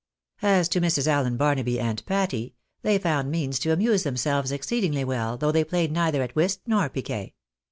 As to Mrs. AUen Barnaby and Patty, they found means to amuse themselves exceedingly well, though they played neither at whist nor piquet.